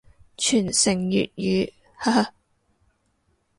傳承粵語，哈哈